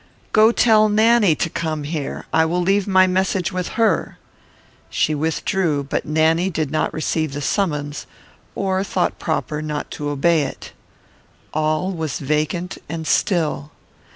"Go tell Nanny to come here; I will leave my message with her." She withdrew, but Nanny did not receive the summons, or thought proper not to obey it. All was vacant and still.